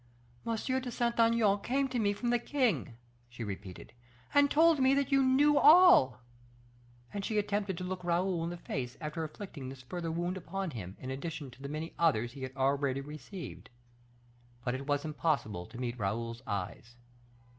"M. de Saint Aignan came to me from the king," she repeated, "and told me that you knew all;" and she attempted to look Raoul in the face, after inflicting this further wound upon him, in addition to the many others he had already received; but it was impossible to meet Raoul's eyes.